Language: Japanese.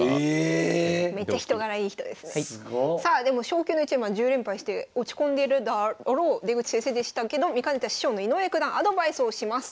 昇級の一番１０連敗して落ち込んでるであろう出口先生でしたけど見かねた師匠の井上九段アドバイスをします。